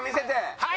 はい。